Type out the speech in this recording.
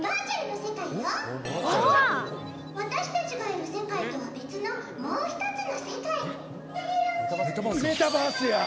私たちがいる世界とは別のもう１つの世界。